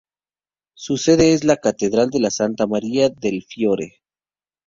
Su sede es la Catedral de Santa María del Fiore.